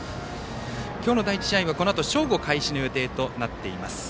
今日の第１試合はこのあと正午開始の予定となっています。